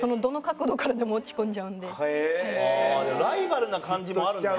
じゃあライバルな感じもあるんだね